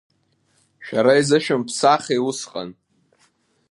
Шәара изышәымԥсахи усҟан?